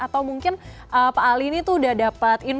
atau mungkin pak alini itu sudah dapatin